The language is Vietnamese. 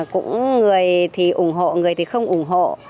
cũng người thì ủng hộ người thì không ủng hộ